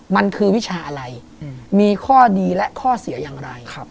มันคือวิชาอะไรมีข้อดีและข้อเสียอย่างไร